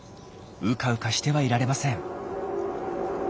うかうかしてはいられません。